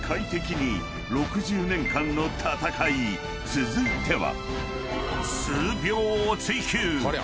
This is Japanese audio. ［続いては］